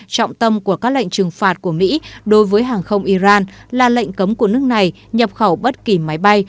trọng tâm của các lệnh trừng phạt của mỹ đối với hàng không iran là lệnh cấm của nước này nhập khẩu bất kỳ máy bay